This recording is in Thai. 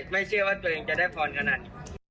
ไม่เชื่อว่าตัวเองจะได้พรขนาดนี้